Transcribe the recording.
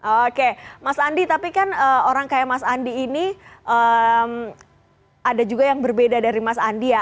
oke mas andi tapi kan orang kayak mas andi ini ada juga yang berbeda dari mas andi ya